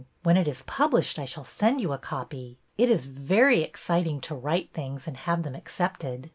When it is published I shall send you a copy. It is very excit ing to write things and have them accepted.